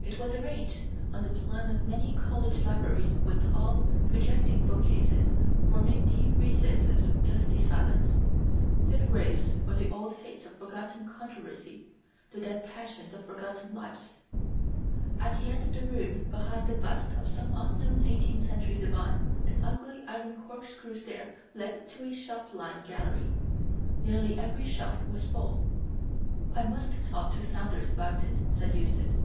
It was arranged on the plan of many college libraries, with tall, projecting bookcases forming deep recesses of dusty silence, fit graves for the old hates of forgotten controversy, the dead passions of forgotten lives. At the end of the room, behind the bust of some unknown eighteenth century divine, an ugly iron corkscrew stair led to a shelf lined gallery. Nearly every shelf was full. "I must talk to Saunders about it," said Eustace.